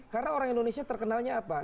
karena orang indonesia terkenalnya apa